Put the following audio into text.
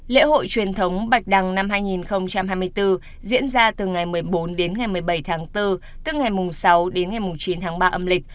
lễ hội truyền thống bạch đăng năm hai nghìn hai mươi bốn diễn ra từ ngày một mươi bốn đến ngày một mươi bảy tháng bốn từ ngày mùng sáu đến ngày mùng chín tháng ba âm lịch